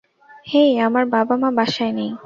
হেই, আমার বাবা-মা বাসায় নেই।